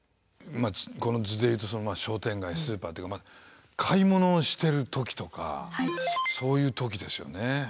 この図で言うと商店街スーパーっていうか買い物をしてる時とかそういう時ですよね。